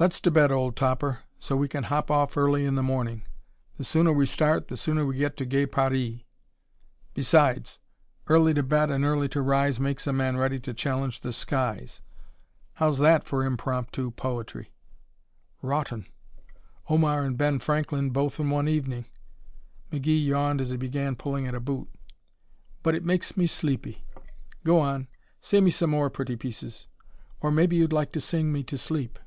Let's to bed, old topper, so we can hop off early in the morning. The sooner we start the sooner we get to 'Gay Paree'. Besides, early to bed and early to rise makes a man ready to challenge the skies. How's that for impromptu poetry?" "Rotten! Omar and Ben Franklin both in one evening!" McGee yawned as he began pulling at a boot. "But it makes me sleepy. Go on, say me some more pretty pieces. Or maybe you'd like to sing me to sleep."